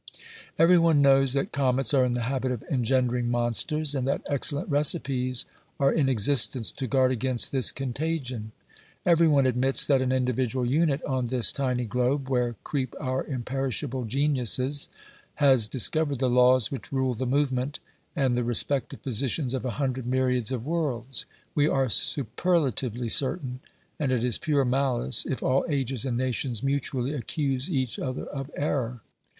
Every one knows that comets are in the habit of engendering monsters, and that excellent recipes are in existence to guard against this contagion. Every one admits that an individual unit on this tiny globe, where creep our imperishable geniuses, has dis covered the laws which rule the movement and the re spective positions of a hundred myriads of worlds. We are superlatively certain, and it is pure malice if all ages and nations mutually accuse each other of error.